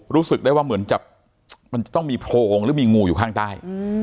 รู้สึกได้ว่าเหมือนกับมันจะต้องมีโพรงหรือมีงูอยู่ข้างใต้